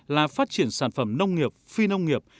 là phát triển sản phẩm nông nghiệp phi nông nghiệp